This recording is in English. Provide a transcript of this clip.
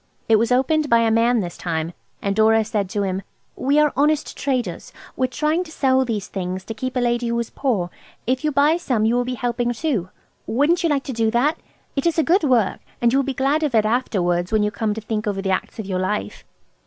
It was opened by a man this time, and Dora said to him– "We are honest traders. We are trying to sell these things to keep a lady who is poor. If you buy some you will be helping too. Wouldn't you like to do that? It is a good work, and you will be glad of it afterwards, when you come to think over the acts of your life."